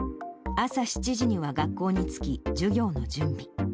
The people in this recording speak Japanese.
朝７時には学校に着き、授業の準備。